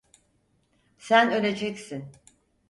Sen öleceksin.